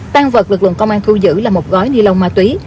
tăng vật lực lượng công an thu giữ là một gói ni lông ma túy